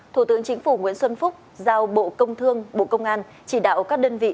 thủ tướng chính phủ nguyễn xuân phúc giao bộ công thương bộ công an chỉ đạo các đơn vị